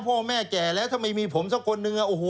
พ่อแม่แก่แล้วถ้าไม่มีผมสักคนนึงโอ้โห